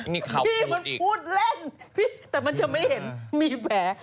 นี่มันพูดเล่นแต่มันจะไม่เห็นมีแผล